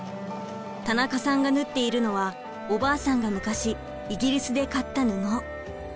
田中さんが縫っているのはおばあさんが昔イギリスで買った布。